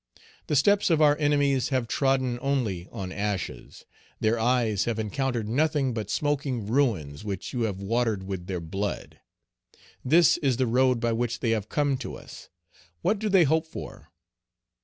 The steps of our enemies have trodden only on ashes; their eyes have encountered nothing but smoking ruins, which you have watered with their blood. This is the road by which they have come to us. What do they hope for?